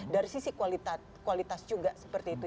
dari sisi kualitas juga seperti itu